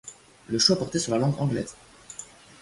Le choix portait sur la langue anglaise.